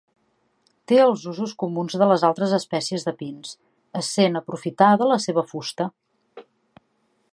Té els usos comuns de les altres espècies de pins, essent aprofitada la seva fusta.